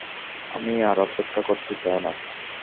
আমি আর অপেক্ষা করতে চাই না।